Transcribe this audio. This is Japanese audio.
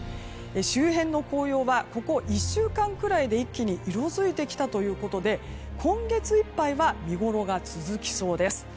周辺の紅葉はここ１週間くらいで一気に色づいてきたということで今月いっぱいは見ごろが続きそうです。